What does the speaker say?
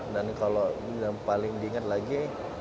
dan kalau yang paling diingat lagi